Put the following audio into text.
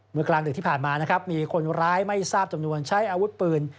กลางดึกที่ผ่านมานะครับมีคนร้ายไม่ทราบจำนวนใช้อาวุธปืน